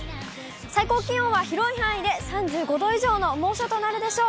最高気温は広い範囲で３５度以上の猛暑となるでしょう。